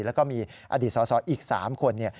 แล้วก็มีอดีตสออีก๓คน